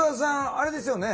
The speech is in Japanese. あれですよね？